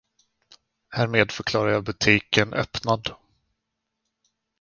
Härmed förklarar jag butiken öppnad.